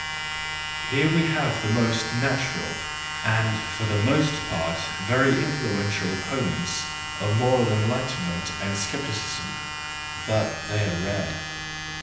Here we have the most natural, and for the most part, very influential opponents of moral enlightenment and scepticism : but they are rare.